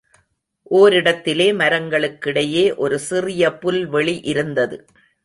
ஓரிடத்திலே மரங்களுக்கிடையே ஒரு சிறிய புல்வெளி இருந்தது.